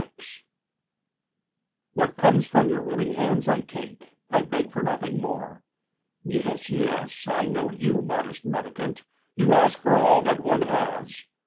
26 "What comes from your willing hands I take. I beg for nothing more." "Yes, yes, I know you, modest mendicant, you ask for all that one has."